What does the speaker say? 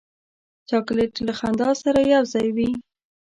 چاکلېټ له خندا سره یو ځای وي.